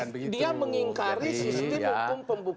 artinya dia mengingkari sistem hukum pembuktian